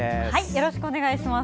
よろしくお願いします。